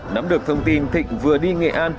nắm được thông tin thịnh vừa đi nghệ an